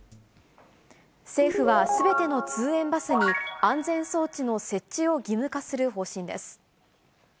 政府はすべての通園バスに、安全装置の設置を義務化する方針です。